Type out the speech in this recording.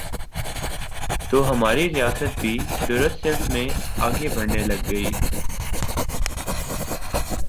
تو ہماری ریاست بھی درست سمت میں آگے بڑھنے لگے گی۔